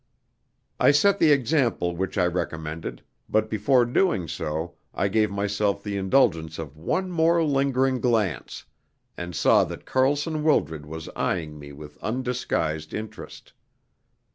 I set the example which I recommended, but before doing so I gave myself the indulgence of one more lingering glance, and saw that Carson Wildred was eyeing me with undisguised interest.